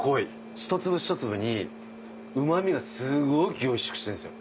一粒一粒にうまみがすごい凝縮してるんですよ。